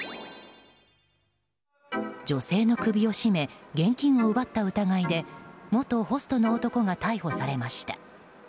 女性の首を絞め現金を奪った疑いで元ホストの男が逮捕されました。